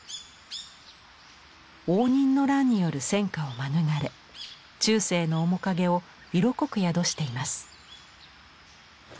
応仁の乱による戦火を免れ中世の面影を色濃く宿しています。